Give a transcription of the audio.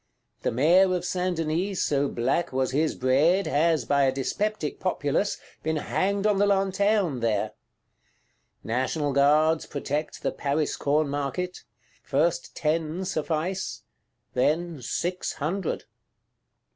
The Mayor of Saint Denis, so black was his bread, has, by a dyspeptic populace, been hanged on the Lanterne there. National Guards protect the Paris Corn Market: first ten suffice; then six hundred.